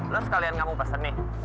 lo sekalian gak mau pesen nih